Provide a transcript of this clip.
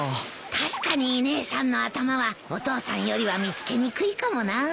確かに姉さんの頭はお父さんよりは見つけにくいかもな。